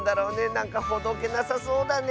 なんかほどけなさそうだね。